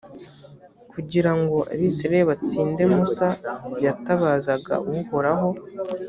kugira ngo abisirayeli batsinde musa yatabazaga uhoraho